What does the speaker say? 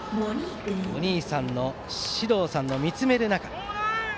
お兄さんの至憧さんが見つめる中で。